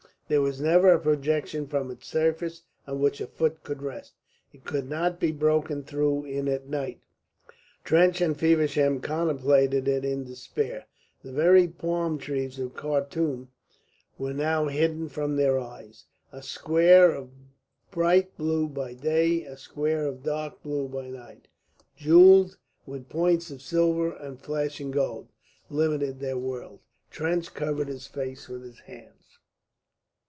There was never a projection from its surface on which a foot could rest; it could not be broken through in a night. Trench and Feversham contemplated it in despair. The very palm trees of Khartum were now hidden from their eyes. A square of bright blue by day, a square of dark blue by night, jewelled with points of silver and flashing gold, limited their world. Trench covered his face with his hands.